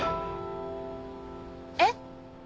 えっ？